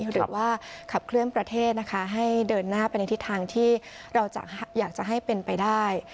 หรือว่าขับเคลื่อนประเทศนะคะให้เดินหน้าไปในทิศทางที่เราจะอยากจะให้เป็นไปได้